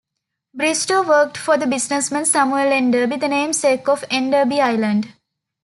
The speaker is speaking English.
Bristow worked for the businessman Samuel Enderby, the namesake of Enderby Island.